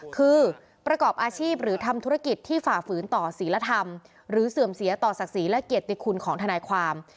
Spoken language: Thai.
คือประกอบอาชีพหรือทำธุรกิจที่ฝ่าฝืนต่อศิลธรรมหรือเสื่อมเสียต่อศักดิ์ศรีและเกียรติคุณของทนายความ